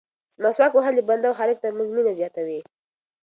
مسواک وهل د بنده او خالق ترمنځ مینه زیاتوي.